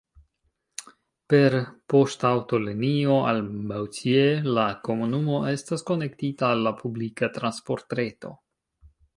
Per poŝtaŭtolinio al Moutier la komunumo estas konektita al la publika transportreto.